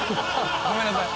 ごめんなさい。